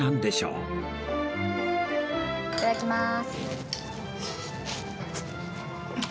いただきます。